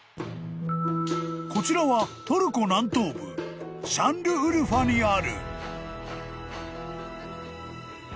［こちらはトルコ南東部シャンルウルファにある］